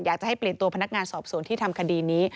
อยากจะให้เปลี่ยนตัวพนักงานสอบสวนที่ทำคดีนี้